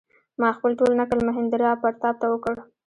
ما خپل ټول نکل مهیندراپراتاپ ته وکړ.